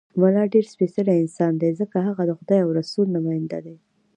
ملا ډېر سپېڅلی انسان دی، ځکه هغه د خدای او رسول نماینده دی.